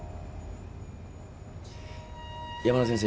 山田先生